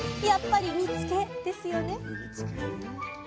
やっぱり煮つけですよね。